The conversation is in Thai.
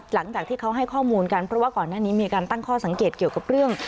หลังจากที่เขาให้ข้อมูลกันเพราะว่าก่อนหน้านี้มีการตั้งข้อสังเกตเกี่ยวกับเรื่อง